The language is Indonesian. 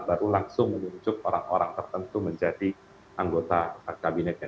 baru langsung menunjuk orang orang tertentu menjadi anggota kabinetnya